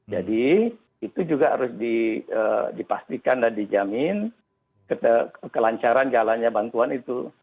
jadi itu juga harus dipastikan dan dijamin kelancaran jalannya bantuan itu